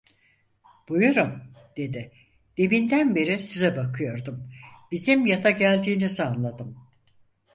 "Buyurun" dedi, "deminden beri size bakıyordum, bizim yata geldiğinizi anladım."